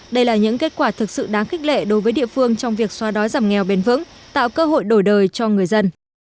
đây là những kết quả thực sự đáng khích lệ đối với địa phương trong việc xóa đói giảm nghèo bền vững tạo cơ hội đổi đời cho người dân